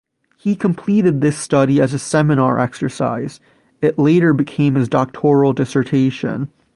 He completed this study as a seminar exercise; it later became his doctoral dissertation.